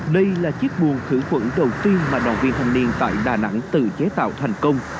đây là chiếc buồn khử khuẩn đầu tiên mà đoàn viên thanh niên tại đà nẵng tự chế tạo thành công